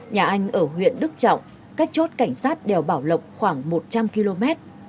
nhà anh ở huyện đức trọng cách chốt cảnh sát đèo bảo lộc khoảng một trăm linh km